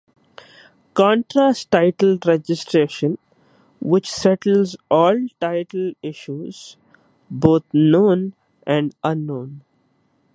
Contrast title registration which settles all title issues, both known and unknown.